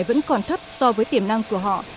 vẫn còn thấp so với tiềm năng của họ